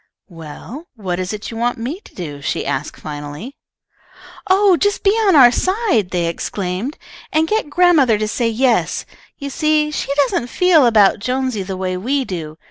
"Well, what is it you want me to do?" she asked, finally. "Oh, just be on our side!" they exclaimed, "and get grandmother to say yes. You see she doesn't feel about Jonesy the way we do.